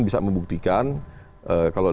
bisa membuktikan kalau